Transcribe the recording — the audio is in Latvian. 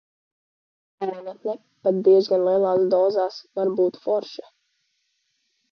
Vienatne pat diezgan lielās dozās var būt forša.